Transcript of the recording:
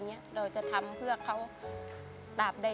คุณหมอบอกว่าเอาไปพักฟื้นที่บ้านได้แล้ว